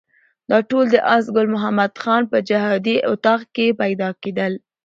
دا ټول د آس ګل محمد خان په جهادي اطاق کې پیدا کېدل.